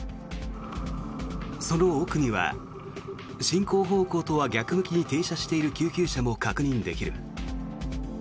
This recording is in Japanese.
その奥には進行方向とは逆向きに停車している救急車も確認できる。